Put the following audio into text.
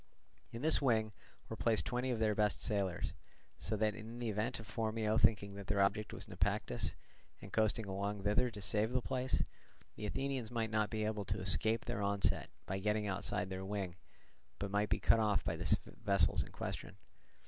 In this wing were placed twenty of their best sailers; so that in the event of Phormio thinking that their object was Naupactus, and coasting along thither to save the place, the Athenians might not be able to escape their onset by getting outside their wing, but might be cut off by the vessels in question.